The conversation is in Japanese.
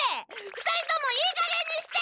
２人ともいいかげんにして！